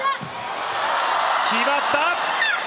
決まった！